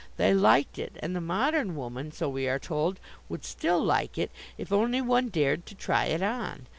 They liked it. And the modern woman, so we are told, would still like it if only one dared to try it on.